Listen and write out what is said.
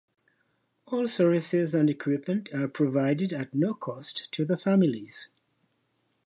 All services and equipment are provided at no cost to the families.